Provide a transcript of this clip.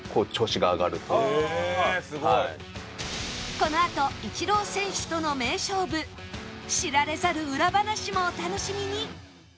このあとイチロー選手との名勝負知られざる裏話もお楽しみに